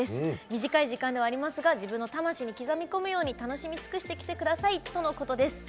短い時間ではありますが自分の魂に刻み込むように楽しみ尽くしてきてくださいということです。